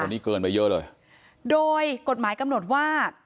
นี่เกินไปเยอะเลยโดยกฎหมายกำหนดว่า